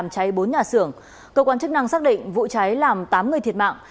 chính chức năng xác định vụ cháy làm tám người thiệt mạng